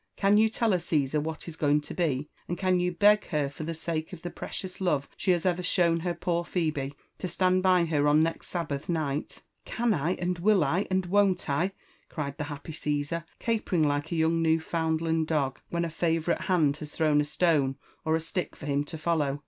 Can you tell her, Caesar, what is going to be? And eaa you beg her, for the sake of the precious lo? e she has ever ehowa bar poor Phebe, to stand by her on next Sabbath night t " "Can I?— and will I?— and won't I?" cried Ihe happy Csesar, capering like a young Newfoundland dog when a favonrite hand has thrown a stone or a stick for him to follow.